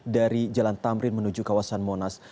dari jalan tamrin menuju kawasan monas